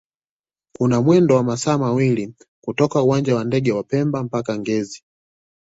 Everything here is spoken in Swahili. kuna mwendo wa masaa mawili kutoka uwanja wa ndege wa pemba mpaka ngezi